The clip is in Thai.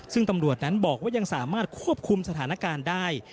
ซึ่งตำรวจนั้นบอกว่ายังสามารถควบคุมสถานการณ์ได้